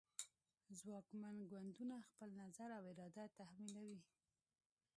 ځواکمن ګوندونه خپل نظر او اراده تحمیلوي